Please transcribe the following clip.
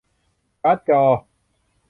การ์ดจอ